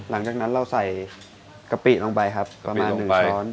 หลังจากนั้นเราใส่กะปิลงไปครับประมาณ๑ช้อน